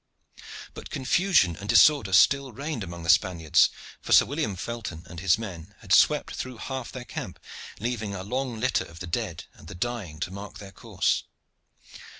But confusion and disorder still reigned among the Spaniards for Sir William Felton and his men had swept through half their camp, leaving a long litter of the dead and the dying to mark their course.